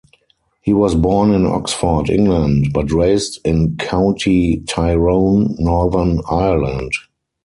He was born in Oxford, England, but raised in County Tyrone, Northern Ireland.